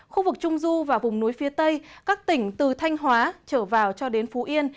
khu vực trung du và vùng núi phía tây các tỉnh từ thanh hóa trở vào cho đến phú yên